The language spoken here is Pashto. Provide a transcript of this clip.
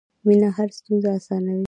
مینه هره ستونزه اسانوي.